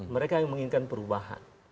mereka yang menginginkan perubahan